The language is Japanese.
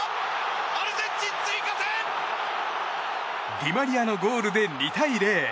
ディマリアのゴールで２対０。